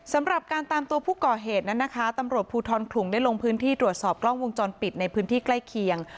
สำหรับการตามตัวผู้ก่อเหตุนั้นนะคะตำรวจภูทรขลุงได้ลงพื้นที่ตรวจสอบกล้องวงจรปิดในพื้นที่ใกล้เคียง